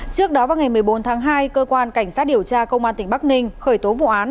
trước đó vào ngày một mươi bốn tháng hai cơ quan cảnh sát điều tra công an tỉnh bắc ninh khởi tố vụ án